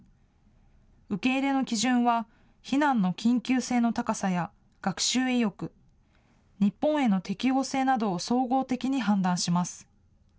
受け入れの基準は避難の緊急性の高さや学習意欲、日本への適応性などを総合的に判断します。